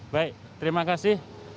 baik terima kasih